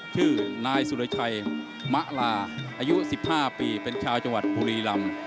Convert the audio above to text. ชื่อนายสุรชัยมะลาอายุ๑๕ปีเป็นชาวจังหวัดบุรีรำ